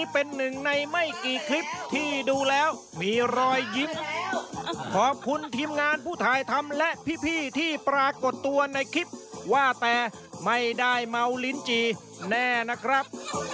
พี่ที่ปรากฏตัวในคลิปว่าแต่ไม่ได้เมาลิ้นจีแน่นะครับ